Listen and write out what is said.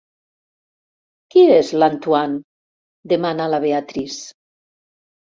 Qui és l'Antoine? —demana la Beatrice.